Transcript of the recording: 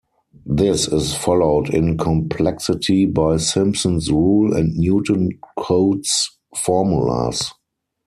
This is followed in complexity by Simpson's rule and Newton-Cotes formulas.